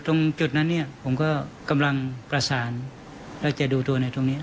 ตรงจุดนั้นเนี่ยผมก็กำลังประสานแล้วจะดูตัวในตรงนี้